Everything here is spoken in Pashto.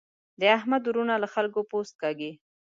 د احمد وروڼه له خلګو پوست کاږي.